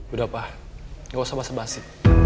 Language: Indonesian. udah pak gak usah basa basi